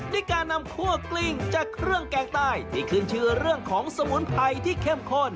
ด้วยการนำคั่วกลิ้งจากเครื่องแกงใต้ที่ขึ้นชื่อเรื่องของสมุนไพรที่เข้มข้น